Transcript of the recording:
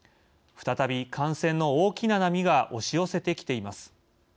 再び、感染の大きな波が押し寄せてきています。